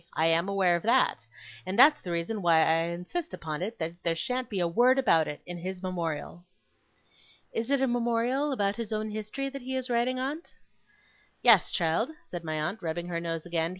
I am aware of that; and that's the reason why I insist upon it, that there shan't be a word about it in his Memorial.' 'Is it a Memorial about his own history that he is writing, aunt?' 'Yes, child,' said my aunt, rubbing her nose again.